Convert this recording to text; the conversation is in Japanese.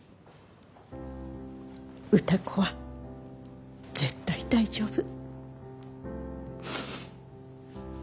歌子は絶対大丈夫。